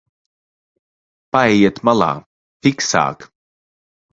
Paejiet malā, fiksāk!